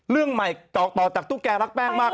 เรื่องใหม่ต่อจากตุ๊กแกรักแป้งมาก